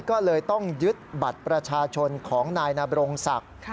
ก็เลยต้องยึดบัตรประชาชนของนายนบรงศักดิ์